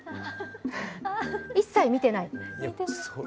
一切、見てない。